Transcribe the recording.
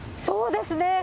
そうですね。